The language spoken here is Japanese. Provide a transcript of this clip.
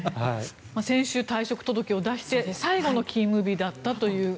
先週、退職届を出して最後の勤務日だったという。